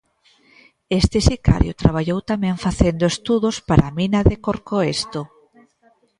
Este sicario traballou tamén facendo estudos para a mina de Corcoesto.